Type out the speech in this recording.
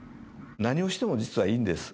何をしても、実はいいんです。